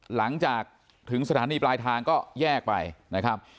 หลังจากถึงสถานีปลายทางก็แยกไปนะครับ